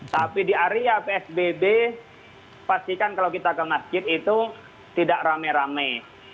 tapi di area psbb pastikan kalau kita ke masjid itu tidak rame rame